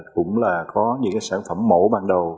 cũng là có những cái sản phẩm mẫu ban đầu